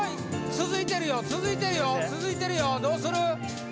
続いてるよ続いてるよ続いてるよどうする？